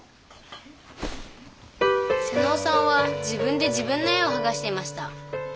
妹尾さんは自分で自分の絵をはがしていました。